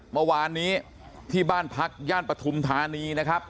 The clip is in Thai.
เมื่อวานนี้ที่บ้านพักย่านปฐุมธานีนะครับ